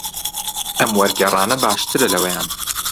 ئەم وەرگێڕانە باشترە لەوەیان.